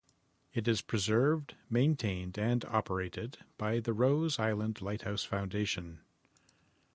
It is preserved, maintained and operated by The Rose Island Lighthouse Foundation.